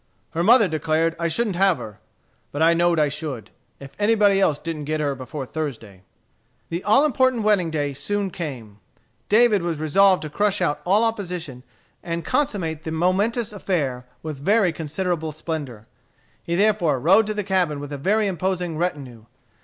Her mother declared I shouldn't have her. But I knowed I should, if somebody else didn't get her before Thursday." The all important wedding day soon came David was resolved to crush out all opposition and consummate the momentous affair with very considerable splendor. He therefore rode to the cabin with a very imposing retinue.